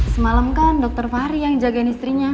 semalam kan dokter fahri yang jagain istrinya